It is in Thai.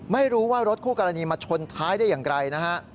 ไม่รู้ว่ารถคู่กรณีมาชนท้ายได้อย่างไรนะฮะ